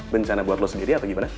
bencana buat lo sendiri atau gimana